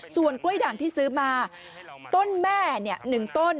ส่วนกล้วยด่างที่ซื้อมาต้นแม่๑ต้น